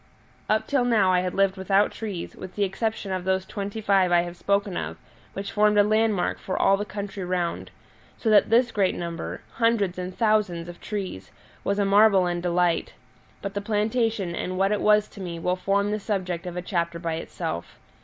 Up till now I had lived without trees, with the exception of those twenty five I have spoken of, which formed a landmark for all the country round; so that this great number hundreds and thousands of trees was a marvel and delight. But the plantation and what it was to me will form the subject of a chapter by itself.